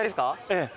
ええ。